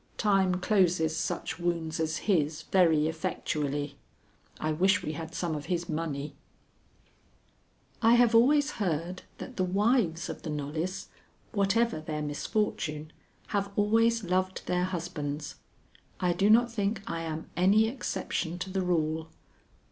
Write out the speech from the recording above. Time closes such wounds as his very effectually. I wish we had some of his money. I have always heard that the wives of the Knollys, whatever their misfortune, have always loved their husbands. I do not think I am any exception to the rule.